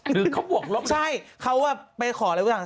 หรือเขาบวกลงใช่เขาอ่ะไปขอเรื่องกัน